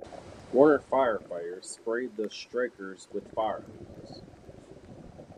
Warner firefighters sprayed the strikers with fire hoses.